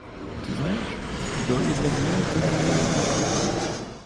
Ты знаешь, Долли давно этого желала.